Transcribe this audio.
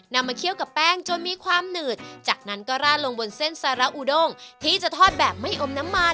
นำมาเขี้ยวกับแป้งจนมีความจากนั้นก็ราดลงบนเส้นซาจะทอดแบบไม่อมน้ำมาน